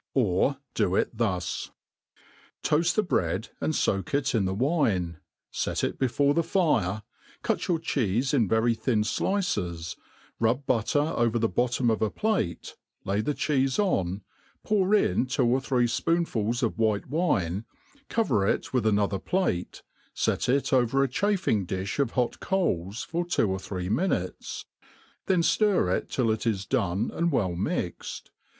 Or Af it thus. TOAST the bread, and foak it in the winej fct it before the fire, cut your cheefe in very thin dices, rub butter over the bottom of a plate, hy the chede on, pour in two or three fpoonfuls of white wine, cover it with another plate, fet it over a. chafing difii of hot coals for two or three minutes ; then ftir it till it is done and well mixed.